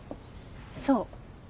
そう。